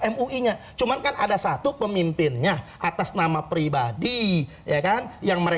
baik itu ya kita ya kita berharap khusnudun lah kepada kyai ini untuk bisa mulusan walaupun